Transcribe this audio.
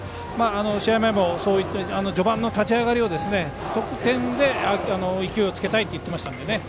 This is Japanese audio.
試合前も序盤の立ち上がりを得点で勢いをつけたいと言っていました。